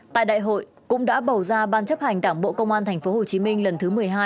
tại đại hội cũng đã bầu ra ban chấp hành đảng bộ công an tp hcm lần thứ một mươi hai